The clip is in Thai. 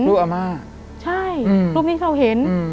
อาม่าใช่รูปนี้เขาเห็น